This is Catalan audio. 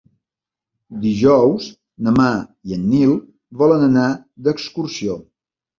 Dijous na Mar i en Nil volen anar d'excursió.